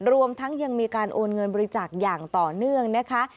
รวมทั้งยังมีการโอนเงินบริจาคอย่างต่อเนื่องนะคะ